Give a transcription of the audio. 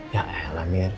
ya ya lah mir